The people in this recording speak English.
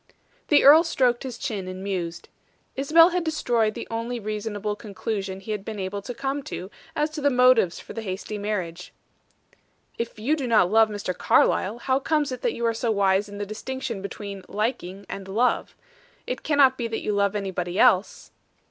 The earl stroked his chin and mused. Isabel had destroyed the only reasonable conclusion he had been able to come to as to the motives for the hasty marriage. "If you do not love Mr. Carlyle, how comes it that you are so wise in the distinction between 'liking' and 'love?' It cannot be that you love anybody else?"